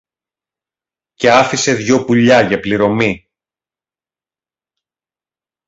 και άφησε δυο πουλιά για πληρωμή.